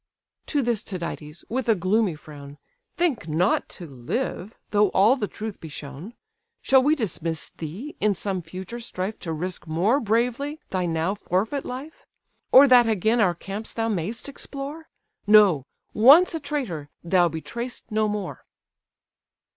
To this Tydides, with a gloomy frown: "Think not to live, though all the truth be shown: Shall we dismiss thee, in some future strife To risk more bravely thy now forfeit life? Or that again our camps thou may'st explore? No—once a traitor, thou betray'st no more."